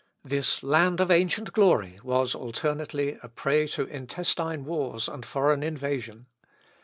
This land of ancient glory was alternately a prey to intestine wars and foreign invasion.